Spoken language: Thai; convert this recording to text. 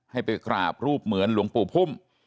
ให้ไปกราบรูปเหมือนหลวงปู่พุ่ม